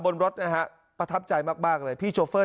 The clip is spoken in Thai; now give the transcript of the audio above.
บนรถนะฮะประทับใจมากเลยพี่โชเฟอร์